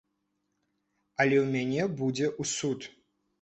Але ў мяне будзе ў суд.